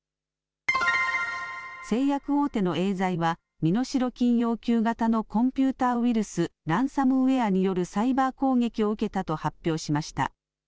製薬大手のエーザイは身代金要求型のコンピューターウイルス、ランサムウエアによるサイバー攻撃を受けたと発表しました。